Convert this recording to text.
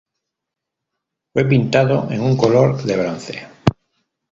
Fue pintado en un color de bronce.